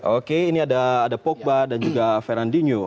oke ini ada pogba dan juga fernandinho